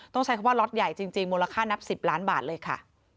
ใช้คำว่าล็อตใหญ่จริงมูลค่านับ๑๐ล้านบาทเลยค่ะ